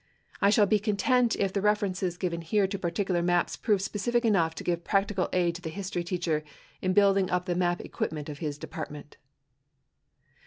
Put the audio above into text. I shall be content if the references given here to particular maps prove specific enough to give practical aid to the history teacher in building up the map equipment of his department.